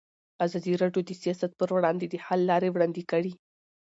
ازادي راډیو د سیاست پر وړاندې د حل لارې وړاندې کړي.